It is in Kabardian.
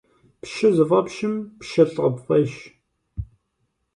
Пщы зыфӀэпщым пщылӀ къыпфӀещ.